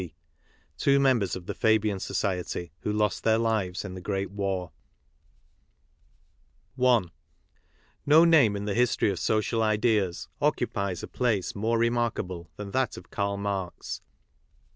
C., two members of the Fabian Society who lost their lives in the Great War. ^7 7/ 73 /3 a 3? X KARL MARX AN ESSAY NO name in the history of social ideas occupies a place more remarkable than that of Karl Marx.